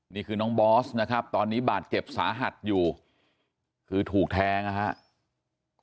นี่คือน้องบอสนะครับตอนนี้บาดเจ็บสาหัสอยู่คือถูกแทงนะครับ